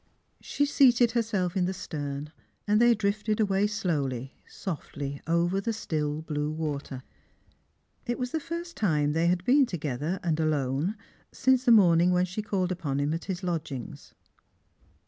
She seated herself in the stern, and thoy drifted away slowly, doftly over the still blue water. It was the first time they had been together, and alone, since the morning when she called upon him at his lodgings.